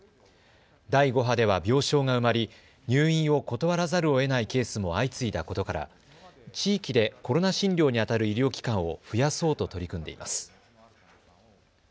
第５波では病床が埋まり入院を断らざるをえないケースも相次いだことから地域でコロナ診療にあたる医療機関を増やそうと取り組んでいます。